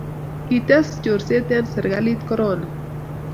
kites chorset eng' serikalit korona